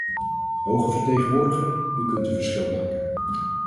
Hoge vertegenwoordiger, u kunt een verschil maken.